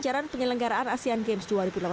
ajaran penyelenggaraan asean games dua ribu delapan belas